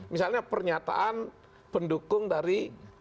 misalnya pernyataan pendukung dari